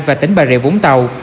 và tỉnh bà rịa vũng tàu